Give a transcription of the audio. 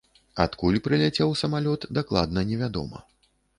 Адкуль прыляцеў самалёт, дакладна невядома.